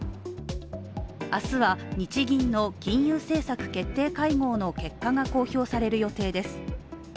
明日は日銀の金融政策決定会合の結果が公表される予定です。